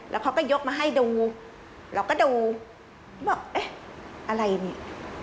แล้วเขาก็ยกมาให้ดูเราก็ดูบอกเอ๊ะอะไรนี่